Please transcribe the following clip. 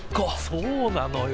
そうなのよ。